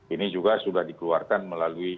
ini juga sudah dikeluarkan melalui